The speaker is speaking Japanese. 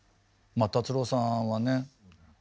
まあ達郎さんはね